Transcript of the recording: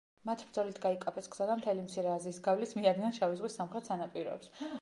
მათ ბრძოლით გაიკაფეს გზა და მთელი მცირე აზიის გავლით მიადგნენ შავი ზღვის სამხრეთ სანაპიროებს.